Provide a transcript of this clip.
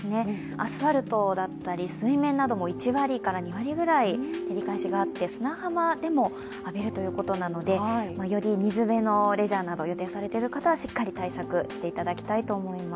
アスファルトだったり水面なども１割から２割ぐらい照り返しがあって、砂浜でも浴びるということなのでより水辺のレジャーなどを予定されている方はしっかり対策していただきたいと思います。